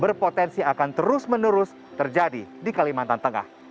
berpotensi akan terus menerus terjadi di kalimantan tengah